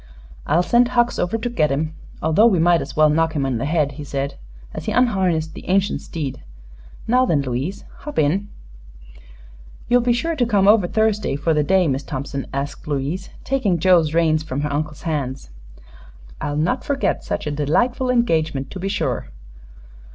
"I'll send Hucks over to get him, although we might as well knock him in the head," he said as he unharnessed the ancient steed. "Now then, Louise, hop in." "You'll be sure to come over Thursday, for the day, Miss Thompson?" asked Louise, taking Joe's reins from her uncle's hands. "I'll not forget such a delightful engagement, be sure."